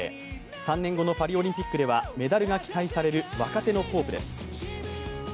３年後のパリオリンピックではメダルが期待される若手のホープです。